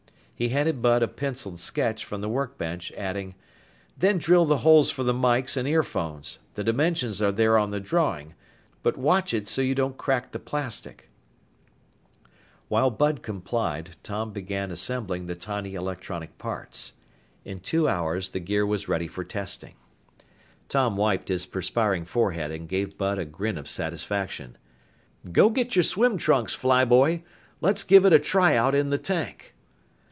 He handed Bud a penciled sketch from the workbench, adding, "Then drill the holes for the mikes and earphones the dimensions are there on the drawing. But watch it so you don't crack the plastic." [Illustration: Chow was wild eyed with panic!] While Bud complied, Tom began assembling the tiny electronic parts. In two hours the gear was ready for testing. Tom wiped his perspiring forehead and gave Bud a grin of satisfaction. "Go get your swim trunks, fly boy. Let's give it a tryout in the tank."